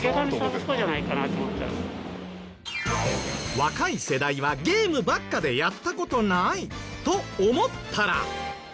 若い世代はゲームばっかでやった事ないと思ったら。